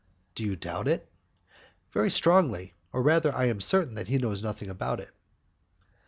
"Do you doubt it?" "Very strongly, or rather I am certain that he knows nothing about it."